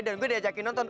dan gue diajakin nonton